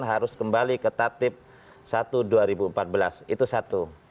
harus kembali ke tatip satu dua ribu empat belas itu satu